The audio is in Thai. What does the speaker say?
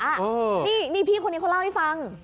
นี่พี่คนนี้เขาเล่าให้ฟัง